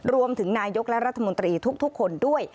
รวมถึงนายกและรัฐมนตรีทุกคนด้วย